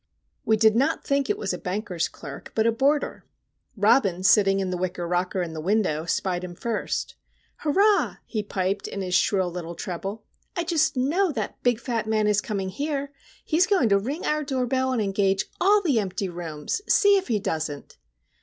We did not think it was a Banker's Clerk, but a Boarder! Robin, sitting in the wicker rocker in the window, spied him first. "Hurrah!" he piped in his shrill little treble. "I just know that big fat man is coming here! He is going to ring our door bell, and engage all the empty rooms! See, if he doesn't."